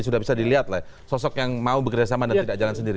sudah bisa dilihat lah sosok yang mau bekerjasama dan tidak jalan sendiri